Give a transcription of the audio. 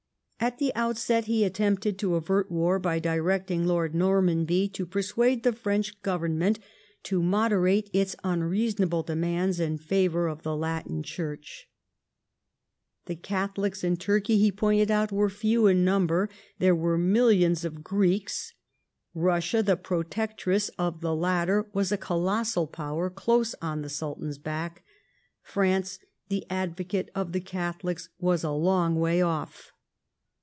At the outset he attempted to avert war by directing Lord Normanby to persuade the French Government to moderate its unreasonable de mands in favour of the Latin Church. The Catholics in Turkey, he pointed out, were few in number, there = were millions of Greeks ; Bussia, the protectress of the latter, was a colossal power close on the Sultan's back ;. France, the advocate of the Catholics, was a long way off.